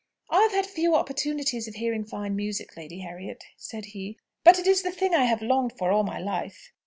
"I have had few opportunities of hearing fine music, Lady Harriet," said he; "but it is the thing I have longed for all my life."